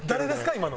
今の。